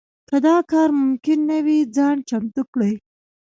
که دا کار ممکن نه وي ځان چمتو کړي.